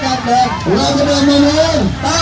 ออกไปออกไปออกไป